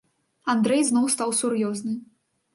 Андрэй зноў стаў сур'ёзны.